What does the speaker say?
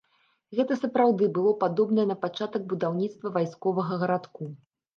Гэта сапраўды было падобнае на пачатак будаўніцтва вайсковага гарадку.